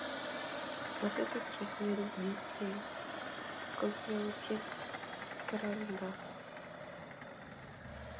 ngatutik che kiirub jinsiait ko kiyutie kororonindo kab biik ak tugun